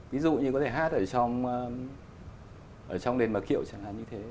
ví dụ như có thể hát ở trong đền bà kiệu chẳng hạn như thế